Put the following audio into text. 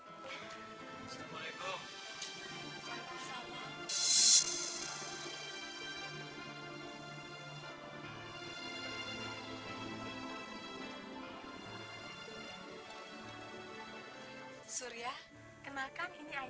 iya bu disamain aja